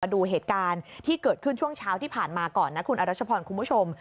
ดูเหตุการณ์ที่เกิดขึ้นช่วงเช้าที่ผ่านมาก่อนนะคุณอรัชพรคุณผู้ชม